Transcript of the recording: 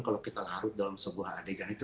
kalau kita larut dalam sebuah adegan itu